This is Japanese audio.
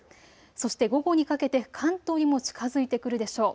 そして午後にかけて関東にも近づいてくるでしょう。